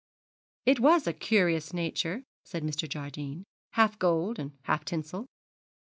'It was a curious nature,' said Mr. Jardine 'half gold and half tinsel.'